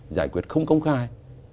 giải quyết không công khai